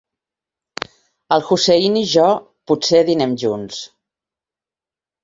El Hussein i jo potser dinem junts.